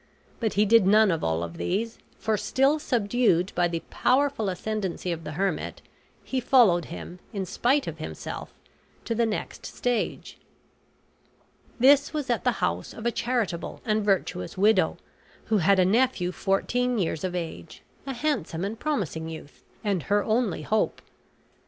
But he did none of all of these, for still subdued by the powerful ascendancy of the hermit, he followed him, in spite of himself, to the next stage. This was at the house of a charitable and virtuous widow, who had a nephew fourteen years of age, a handsome and promising youth, and her only hope.